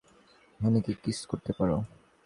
কনেকে কিস করতে পারো।